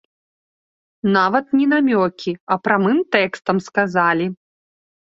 Нават не намёкі, а прамым тэкстам сказалі.